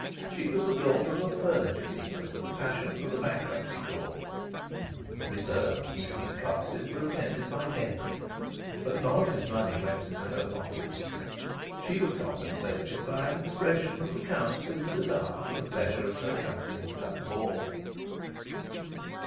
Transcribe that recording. She was the daughter of a furniture dealer with a passion for the Bankruptcy Court. Miss Earp's evening classes were attended by Denry, but none of his money went into her pocket. She was compensated by an expression of the Countess's desire for the pleasure of her company at the ball.